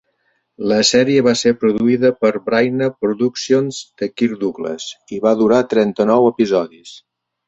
La sèrie va ser produïda per ' Bryna Productions de Kirk Douglas i va durar trenta-nou episodis.